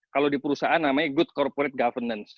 kalau di perusahaan namanya good corporate governance